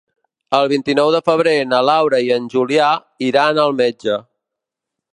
El vint-i-nou de febrer na Laura i en Julià iran al metge.